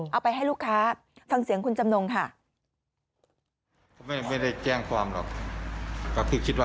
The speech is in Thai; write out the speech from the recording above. เอาไปให้ลูกค้าฟังเสียงคุณจำนงค่ะ